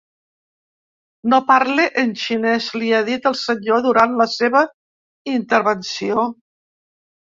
No parle en xinès, li ha dit el senyor durant la seva intervenció.